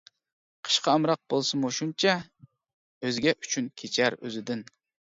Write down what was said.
قىشقا ئامراق بولسىمۇ شۇنچە، ئۆزگە ئۈچۈن كېچەر ئۆزىدىن.